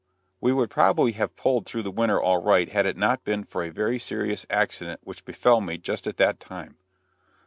We would probably have pulled through the winter all right had it not been for a very serious accident which befell me just at that time.